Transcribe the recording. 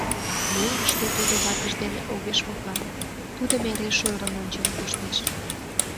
Мӧҥгыштӧ тудо ватыж дене огеш мутлане, тудым эре шӧрын ончен коштеш.